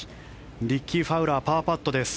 リッキー・ファウラーパーパットです。